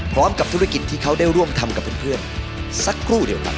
พร้อมกับธุรกิจที่เขาได้ร่วมทำกับเพื่อนสักครู่เดียวกัน